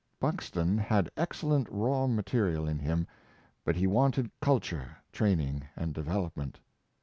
Buxton had excellent raw ma terial in him, but he wanted culture, training and devel opment.